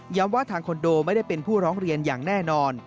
ว่าทางคอนโดไม่ได้เป็นผู้ร้องเรียนอย่างแน่นอน